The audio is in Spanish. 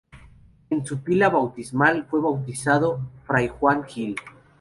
En su pila bautismal fue bautizado Fray Juan Gil.